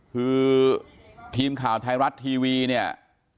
คือทีมข่าวทายรัฐทูลินิยา